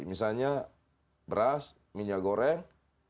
misalnya beras minyak goreng